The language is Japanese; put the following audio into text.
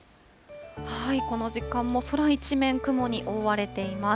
この時間も空一面雲に覆われています。